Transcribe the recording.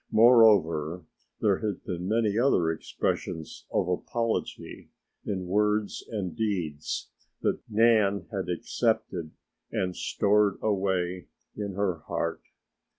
Moreover, there had been many other expressions of apology in words and deeds that Nan had accepted and stored away in her heart.